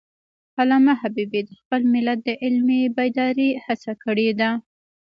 علامه حبیبي د خپل ملت د علمي بیدارۍ هڅه کړی ده.